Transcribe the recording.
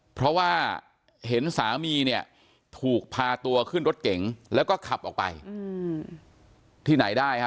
เพราะว่าเห็นสามีเนี่ยถูกพาตัวขึ้นรถเก๋งแล้วก็ขับออกไปที่ไหนได้ฮะ